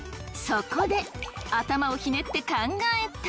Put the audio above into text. そこで頭をひねって考えた。